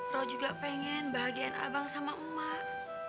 rao juga pengen bahagian abang sama umar